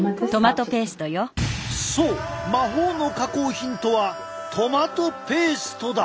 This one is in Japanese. そう魔法の加工品とはトマトペーストだ。